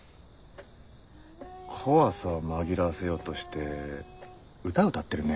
怖さを紛らわせようとして歌歌ってるね。